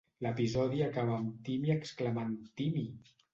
L'episodi acaba amb Timmy exclamant "Timmy"!